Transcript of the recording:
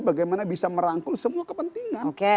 bagaimana bisa merangkul semua kepentingan